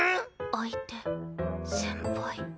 相手先輩。